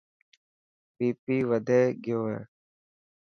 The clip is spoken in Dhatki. بي پي وڌي گيو هي.